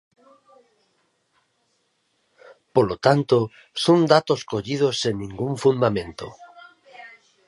Polo tanto, son datos collidos sen ningún fundamento.